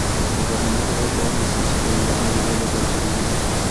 د فرهنګي تفاوت پوهه د سیاسي پروګرامونو جوړولو لپاره ضروري ده.